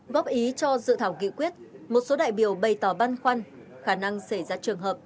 góp ý cho dự thảo nghị quyết một số đại biểu bày tỏ băn khoăn khả năng xảy ra trường hợp